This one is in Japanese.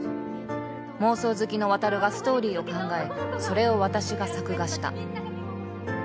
妄想好きの渉がストーリーを考えそれを私が作画した